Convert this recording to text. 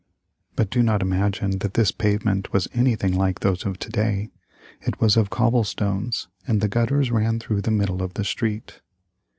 But do not imagine that this pavement was anything like those of to day. It was of cobble stones, and the gutters ran through the middle of the street.